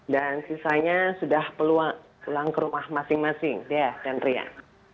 dan sisanya sudah pulang ke rumah masing masing dea dan rian